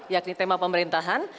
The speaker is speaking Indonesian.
yakni tema pemerintahan